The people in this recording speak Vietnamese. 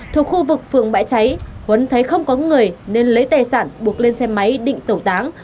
thuộc khu vực phường bãi cháy huấn thấy không có người nên lấy tài sản buộc lên xe máy định tẩu tán